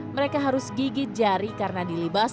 mereka harus gigit jari karena dilibas